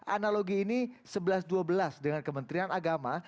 analogi ini sebelas dua belas dengan kementerian agama